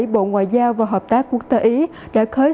bộ ngoại giao và hợp tác quốc tế ý đã khởi